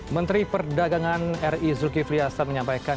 menteri perdagangan ri zulkifli hasan menyampaikan